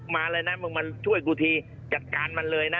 มาเลยนะมึงมาช่วยกูทีจัดการมันเลยนะ